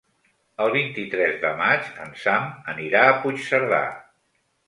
El vint-i-tres de maig en Sam anirà a Puigcerdà.